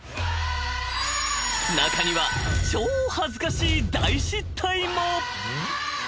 ［中には超恥ずかしい大失態も］